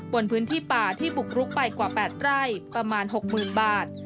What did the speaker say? บนพื้นที่ป่าที่บุกรุกไปกว่า๘ไร่ประมาณ๖๐๐๐บาท